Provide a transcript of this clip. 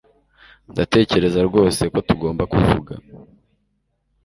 Ndatekereza rwose ko tugomba kuvuga